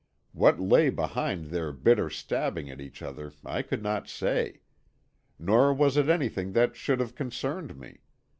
What lay behind their bitter stabbing at each other I could not say. Nor was it anything that should have concerned me.